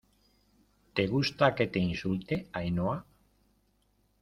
¿ te gusta que te insulte, Ainhoa?